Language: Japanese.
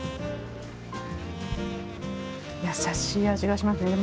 優しい味がしますね。